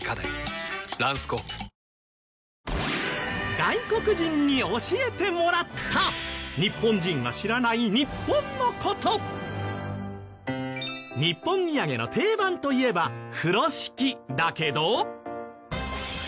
外国人に教えてもらった日本土産の定番といえば風呂敷だけど。